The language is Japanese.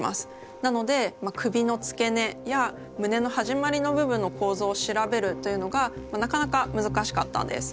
なので首の付け根や胸の始まりの部分の構造を調べるというのがなかなかむずかしかったんです。